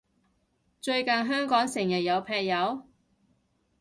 最近香港成日有劈友？